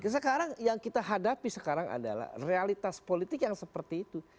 sekarang yang kita hadapi sekarang adalah realitas politik yang seperti itu